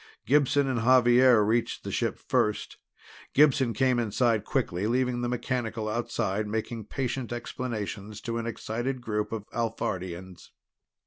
Gibson and Xavier reached the ship first; Gibson came inside quickly, leaving the mechanical outside making patient explanations to an excited group of Alphardians.